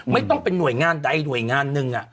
ไม่ต้องเป็นหน่วยงานใดหน่วยงานหนึ่ง